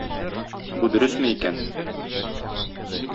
Бу дөресме икән?